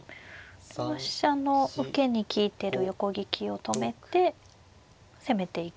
今飛車の受けに利いてる横利きを止めて攻めていく。